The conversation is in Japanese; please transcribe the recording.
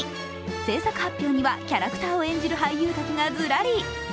製作発表にはキャラクターを演じる俳優たちがずらり。